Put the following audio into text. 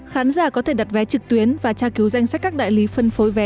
khán giả có thể đặt vé trực tuyến và tra cứu danh sách các đại lý phân phối vé